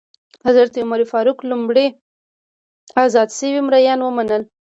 حضرت عمر فاروق لومړی ازاد شوي مریان ومنل.